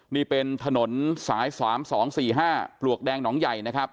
นี่เป็นถนนสาย๓๒๔๕ปลวกแดงหนองใหญ่นะครับ